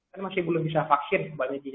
kan masih belum bisa vaksin